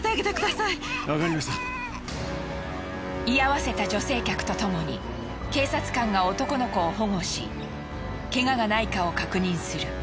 居合わせた女性客とともに警察官が男の子を保護しケガがないかを確認する。